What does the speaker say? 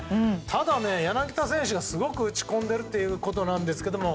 ただ、柳田選手がすごく打ち込んでいるということですが。